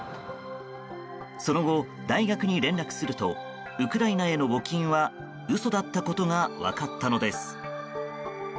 その後、大学に連絡するとウクライナへの募金は嘘だったことが分かったのです。